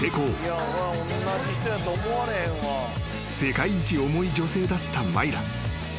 ［世界一重い女性だったマイラ］